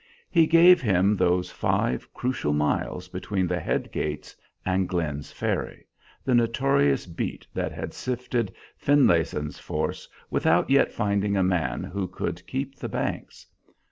He gave him those five crucial miles between the head gates and Glenn's Ferry, the notorious beat that had sifted Finlayson's force without yet finding a man who could keep the banks.